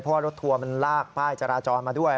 เพราะว่ารถทัวร์มันลากป้ายจราจรมาด้วย